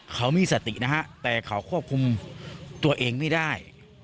เขามีสตินะฮะแต่เขาควบคุมตัวเองไม่ได้